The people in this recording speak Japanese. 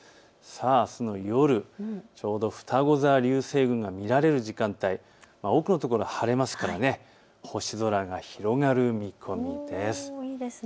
あすの夜、ちょうどふたご座流星群が見られる時間帯多くの所、晴れますから星空が広がる見込みです。